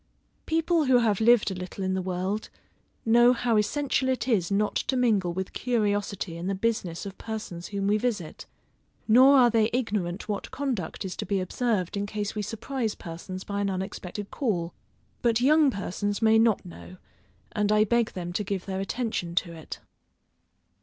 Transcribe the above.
People who have lived a little in the world, know how essential it is not to mingle with curiosity in the business of persons whom we visit; nor are they ignorant what conduct is to be observed in case we surprise persons by an unexpected call; but young persons may not know, and I beg them to give their attention to it.